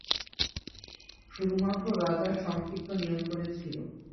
শুধুমাত্র রাজার সংক্ষিপ্ত নিয়ন্ত্রণে ছিল।